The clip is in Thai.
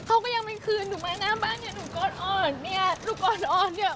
เขาก็ยังไม่คืนหนูมาหน้าบ้านเนี่ยหนูก่อนอ่อนเนี่ยลูกอ่อนอ่อนเนี่ย